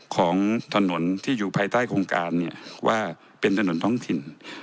ของถนนที่อยู่ภายใต้โครงการเนี่ยว่าเป็นถนนท้องถิ่น